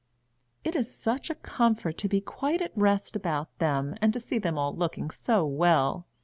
"It is such a comfort to be quite at rest about them, and to see them all looking so well.